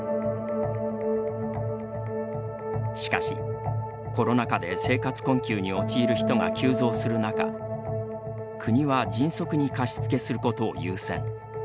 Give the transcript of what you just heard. しかし、コロナ禍で生活困窮に陥る人が急増する中国は、迅速に貸付することを優先。